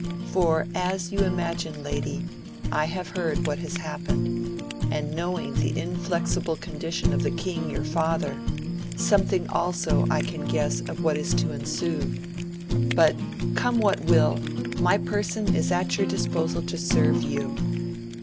For as you imagine lady, I have heard what has happened, and knowing the inflexible condition of the king your father, some thing also I can guess of what is to ensue ; but come what will, my person is at your disposal to serve you.